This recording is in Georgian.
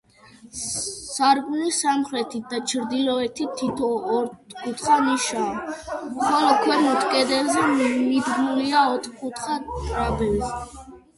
სარკმლის სამხრეთით და ჩრდილოეთით თითო ოთხკუთხა ნიშაა, ხოლო ქვემოთ, კედელზე, მიდგმულია ოთხკუთხა ტრაპეზი.